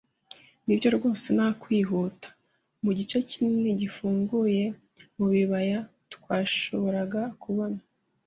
Nibyo rwose nta kwihuta. Mugice kinini gifunguye mubibaya, twashoboraga kubona